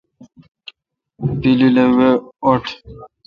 پلیل اے وہ اٹھ۔